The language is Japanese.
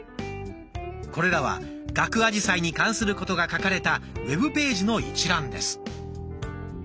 これらは「ガクアジサイ」に関することが書かれたウェブページの一覧です。